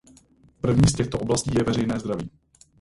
První z těchto oblastí je veřejné zdraví.